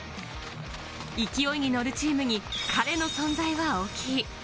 勢いに乗るチームに彼の存在は大きい。